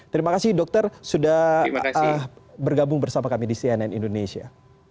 terima kasih dokter sudah bergabung bersama kami di cnn indonesia